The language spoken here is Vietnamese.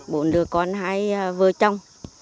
bốn đứa con hai vợ chồng